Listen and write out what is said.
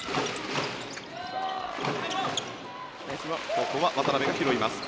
ここは渡邉が拾います。